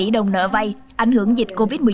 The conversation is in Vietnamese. dư nợ cho vay ảnh hưởng dịch covid một mươi chín